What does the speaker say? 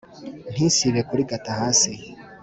Ntisibe kurigata hasi